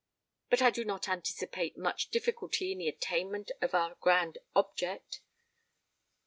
But I do not anticipate much difficulty in the attainment of our grand object.